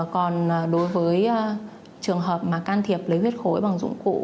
còn đối với trường hợp mà can thiệp lấy huyết khối bằng dụng cụ